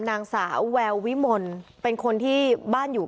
นางสาวแวววิมลเป็นคนที่บ้านอยู่